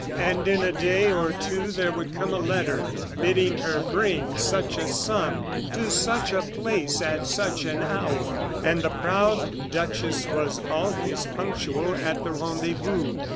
And in a day or two there would come a letter bidding her bring such a sum, to such a place, at such an hour. And the proud duchess was always punctual at the rendezvous.